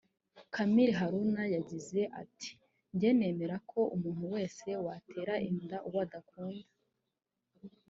Camille Haruna yagize ati “Njye nemera ko umuntu wese watera inda uwo adakunda